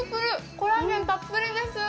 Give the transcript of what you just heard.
コラーゲンたっぷりです。